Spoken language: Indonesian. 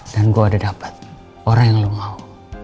dan gue ada dapat orang yang lo mau